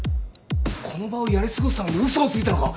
この場をやり過ごすために嘘をついたのか？